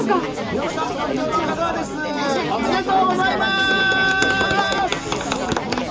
弥勒さん、東京の香川です、おめでとうございます！